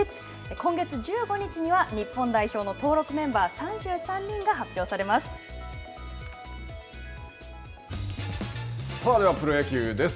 今月１５日には、日本代表の登録メンバーでは、プロ野球です。